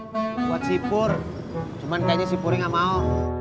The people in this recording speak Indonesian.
buat sipur cuman kayaknya sipuri gak mau